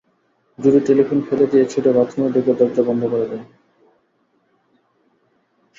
জুডি telephone ফেলে দিয়ে ছুটে বাথরুমে ঢুকে দরজা বন্ধ করে দেয়।